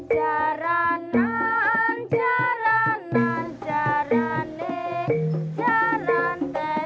jalanan jalanan jarane jalanan